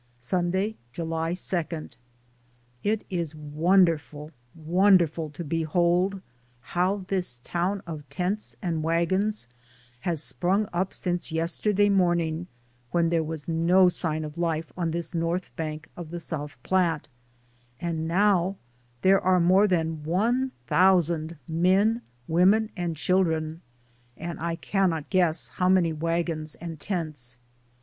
Sunday, July 2. It is wonderful, wonderful to behold how this town of tents and wagons has sprung up since yesterday morning when there was no sign of life on this north bank of the South Platte, and now there are more than one thousand men, women and children, and I cannot guess how many wagons and tents.